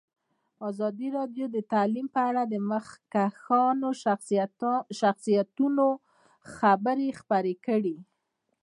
ازادي راډیو د تعلیم په اړه د مخکښو شخصیتونو خبرې خپرې کړي.